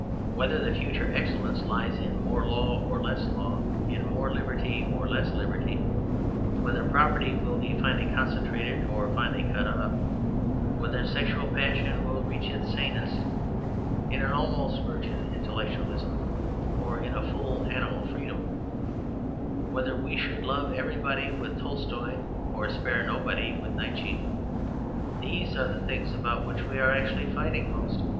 Whether the future excellence lies in more law or less law, in more liberty or less liberty; whether property will be finally concentrated or finally cut up; whether sexual passion will reach its sanest in an almost virgin intellectualism or in a full animal freedom; whether we should love everybody with Tolstoy, or spare nobody with Nietzsche; these are the things about which we are actually fighting most.